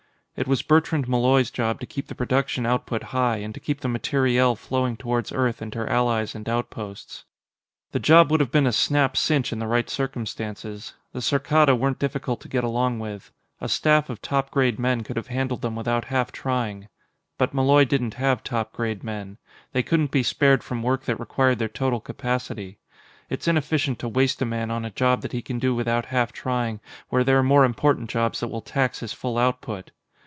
It was Bertrand Malloy's job to keep the production output high and to keep the materiel flowing towards Earth and her allies and outposts. The job would have been a snap cinch in the right circumstances; the Saarkkada weren't difficult to get along with. A staff of top grade men could have handled them without half trying. But Malloy didn't have top grade men. They couldn't be spared from work that required their total capacity. It's inefficient to waste a man on a job that he can do without half trying where there are more important jobs that will tax his full output.